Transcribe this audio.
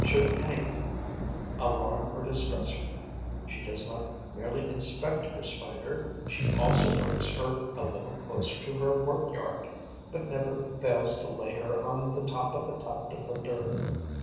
Should anything alarm or distress her, she does not merely inspect her Spider: she also brings her a little closer to her work yard, but never fails to lay her on the top of a tuft of verdure.